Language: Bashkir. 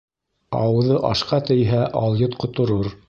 Ауыҙы ашҡа тейһә, алйот ҡоторор.